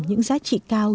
những giá trị cao